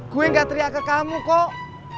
gue gak teriak ke kamu kok